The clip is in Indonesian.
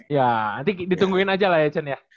ya nanti ditungguin aja lah ya chen ya